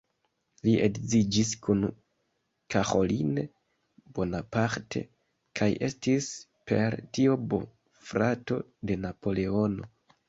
Li edziĝis kun Caroline Bonaparte kaj estis per tio bofrato de Napoleono.